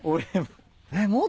えっ？